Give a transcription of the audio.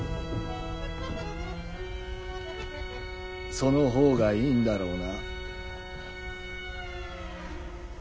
そのほうがいいんだろうな。